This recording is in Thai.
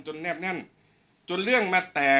ช่างแอร์เนี้ยคือล้างหกเดือนครั้งยังไม่แอร์